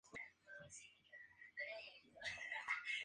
En ese sector se ubican distintos supermercados Líder y Santa Isabel.